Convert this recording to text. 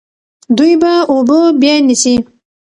دوی به اوبه بیا نیسي.